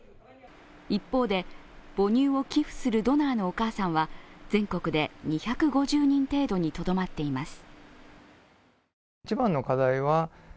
一方で、母乳を寄付するドナーのお母さんは全国で２５０人程度にとどまっています。